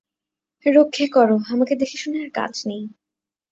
রক্ষে করো, আমাকে আর দেখে শুনে কাজ নেই।